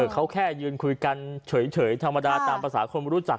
เขาแค่ยืนคุยกันเฉยธรรมดาตามภาษาคนรู้จัก